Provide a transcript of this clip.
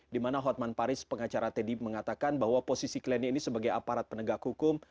dimana hotman paris pengacara teddy mengatakan bahwa posisi kliennya ini sebagai aparat penegak hukum